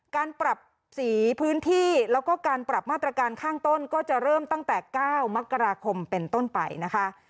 การปรับสีพื้นที่แล้วก็การปรับมาตรการข้างต้นก็จะเริ่มตั้งแต่๙มกราคมเป็นต้นไปนะคะ